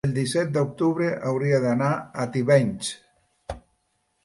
el disset d'octubre hauria d'anar a Tivenys.